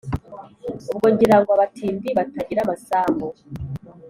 Ubwo ngira ngo abatindi Batagira amasambu